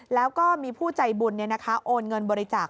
แล้วก็มีผู้ใจบุญโอนเงินบริจาค